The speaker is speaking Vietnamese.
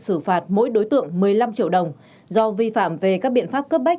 xử phạt mỗi đối tượng một mươi năm triệu đồng do vi phạm về các biện pháp cấp bách